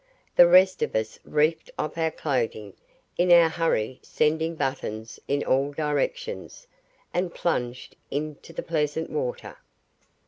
The rest of us reefed off our clothing, in our hurry sending buttons in all directions, and plunged into the pleasant water.